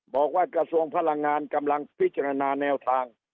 กระทรวงพลังงานกำลังพิจารณาแนวทาง